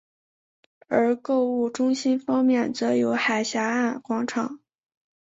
而购物中心方面则有海峡岸广场。